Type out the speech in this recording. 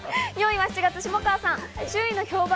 ４位は７月、下川さん。